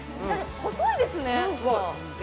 細いですね